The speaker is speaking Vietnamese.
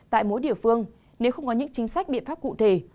tại mỗi địa phương nếu không có những chính sách biện pháp cụ thể